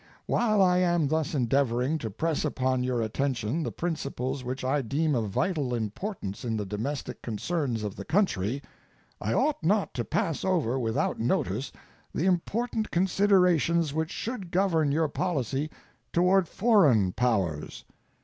While I am thus endeavoring to press upon your attention the principles which I deem of vital importance in the domestic concerns of the country, I ought not to pass over without notice the important considerations which should govern your policy toward foreign powers.